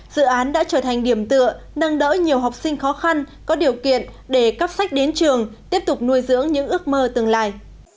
dự án đã trở thành điểm tựa nâng đỡ nhiều học sinh khó khăn có điều kiện để cắp sách đến trường tiếp tục nuôi dưỡng những ước mơ tương lai